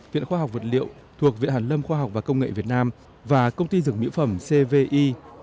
viện khoa học vật liệu thuộc viện hàn lâm khoa học và công nghệ việt nam và công ty dược mỹ phẩm cvi